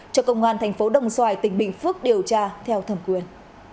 cho công an thành phố đồng xoài tỉnh bình phước điều tra theo thẩm quyền